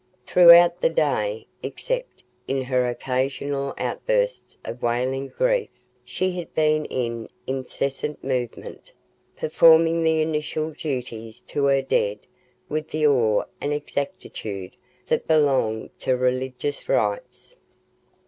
Throughout the day, except in her occasional outbursts of wailing grief, she had been in incessant movement, performing the initial duties to her dead with the awe and exactitude that belong to religious rites.